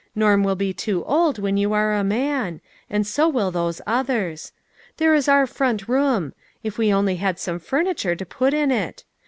Norm will be too old when you are a man ; and so will those others. There is our front room. If we only had some furniture to put in it.